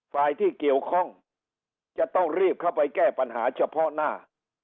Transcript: ฝ่ายที่เกี่ยวข้องจะต้องรีบเข้าไปแก้ปัญหาเฉพาะหน้า